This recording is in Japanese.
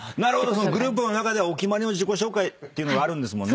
そのグループの中ではお決まりの自己紹介というのがあるんですもんね。